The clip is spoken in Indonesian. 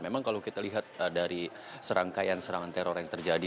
memang kalau kita lihat dari serangkaian serangan teror yang terjadi